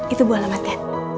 itu buahana mika